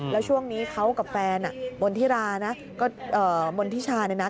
แล้วช่วงนี้เขากับแฟนมณฑิราณมณฑิชานะ